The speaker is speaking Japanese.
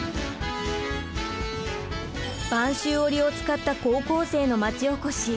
播州織を使った高校生のまちおこし。